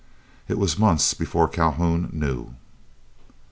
It was months before Calhoun knew.